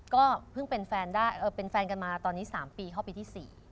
ก็เพิ่งเป็นแฟนกันมาตอนนี้๓ปีเข้าไปที่๔